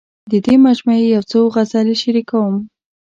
د دې مجموعې یو څو غزلې شریکوم.